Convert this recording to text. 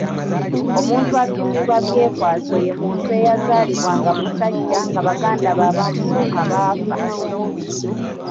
Omuntu atuumibwa Byekwaso ye muntu eyazaalibwa nga musajja nga baganda be abaamusooka baafa.